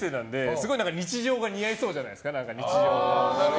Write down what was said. すごい日常が似合いそうじゃないですか。